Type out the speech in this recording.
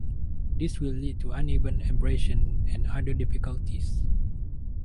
This will lead to uneven abrasion and other difficulties.